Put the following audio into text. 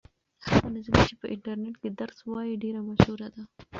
هغه نجلۍ چې په انټرنيټ کې درس وایي ډېره مشهوره ده.